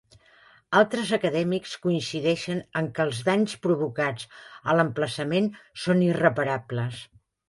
Altres acadèmics coincideixen en què els danys provocats a l"emplaçament són irreparables.